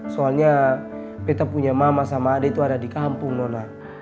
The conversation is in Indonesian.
soalnya beta punya mama sama adik tuh ada di kampung nona